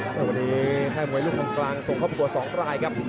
แล้ววันนี้ให้หมวยลูกของกลางส่งเข้าไปกว่า๒ปลายครับ